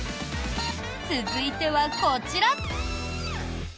続いてはこちら！